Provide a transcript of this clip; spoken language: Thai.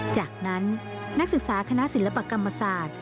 จากนั้นนักศึกษาคณะศิลปกรรมศาสตร์